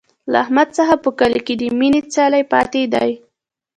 له احمد څخه په کلي کې د مینې څلی پاتې دی.